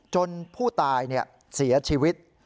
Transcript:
ผู้ตายเสียชีวิต